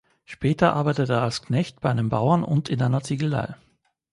Später arbeitete er als Knecht bei einem Bauern und in einer Ziegelei.